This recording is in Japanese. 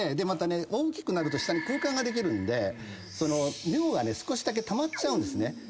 またね大きくなると下に空間ができるんで尿が少しだけたまっちゃうんです。